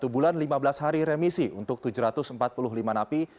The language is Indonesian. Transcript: satu bulan lima belas hari remisi untuk tujuh ratus empat puluh lima napi